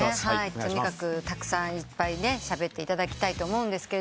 とにかくたくさんいっぱいしゃべっていただきたいと思います。